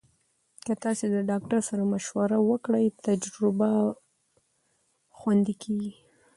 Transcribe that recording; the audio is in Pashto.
که تاسو د ډاکټر سره مشوره وکړئ، تجربه خوندي کېږي.